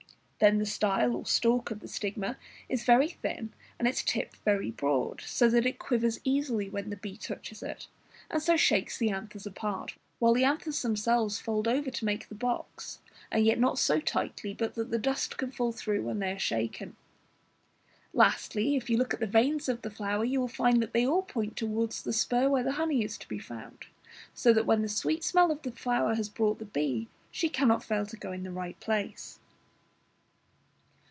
Then the style or stalk of the stigma is very thin and its tip very broad, so that it quivers easily when the bee touches it, and so shakes the anthers apart, while the anthers themselves fold over to make the box, and yet not so tightly but that the dust can fall through when they are shaken. Lastly, if you look at the veins of the flower, you will find that they all point towards the spur where the honey is to be found, so that when the sweet smell of the flower has brought the bee, she cannot fail to go in at the right place.